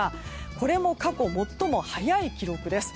これも過去最も早い記録です。